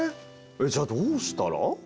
じゃあどうしたら？